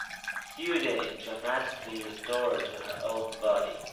Susan is dramatically restored to her own body.